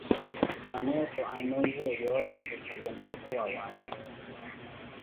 Mama etthu aanusiye yoori nihikhoze moottho wawaatta.